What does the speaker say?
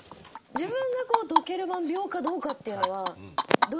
自分がドケルバン病かどうかっていうのはどうやったら分かるんですか？